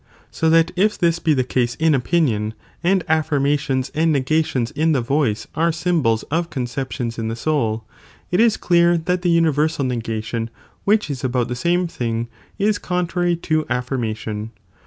So that if this be the case in opinion, and affirmations and negations in the voice are sym bols of (conceptions) in the soul, it is clear that the universal negatiMi which b about the same thing, is contrary to afflrm ation.